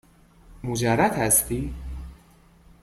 مجرد هستی؟